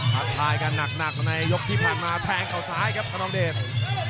ทักทายกันหนักในยกที่ผ่านมาแทงเขาซ้ายครับขนองเดช